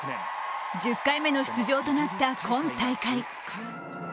１０回目の出場となった今大会。